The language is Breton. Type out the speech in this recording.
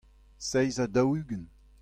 seizh ha daou-ugent.